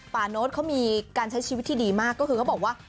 โน้ตเขามีการใช้ชีวิตที่ดีมากก็คือเขาบอกว่า